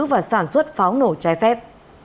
và sản xuất pháo nổ trái phép